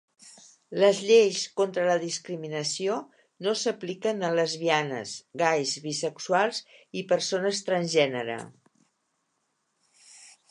Les lleis contra la discriminació no s'apliquen a lesbianes, gais, bisexuals i persones transgènere.